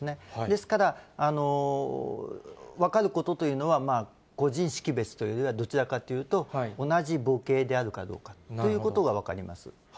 ですから、分かることというのは、個人識別というよりは、どちらかというと、同じ母系であるかどうかということが分かります。